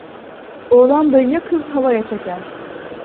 Oğlan dayıya, kız halaya çeker.